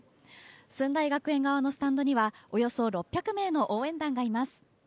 駿台学園側のスタンドにはおよそ６００名の応援団がいます。